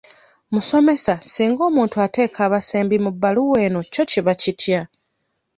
Musomesa singa omuntu ateeka abasembi mu bbaluwa eno kyo kiba kitya?